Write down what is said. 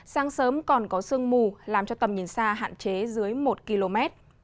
sáng sớm còn có sương mù làm cho tầm nhìn xa hạn chế dưới một km